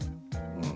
うん。